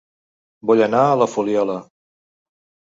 Vull anar a La Fuliola